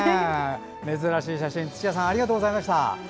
珍しい写真、土屋さんありがとうございました。